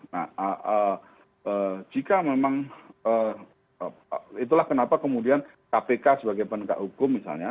nah jika memang itulah kenapa kemudian kpk sebagai penegak hukum misalnya